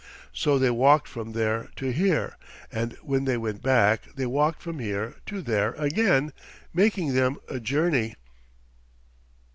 So they walked from there to here, and when they went back, they walked from here to there again, making them a journey."